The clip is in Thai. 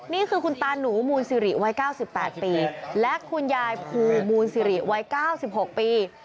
นี่คือคุณตาหนูมูลสิริวัย๙๘ปีและคุณยายภูมูลสิริวัย๙๖ปี